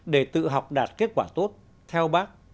để tự học đạt kết quả tốt theo bác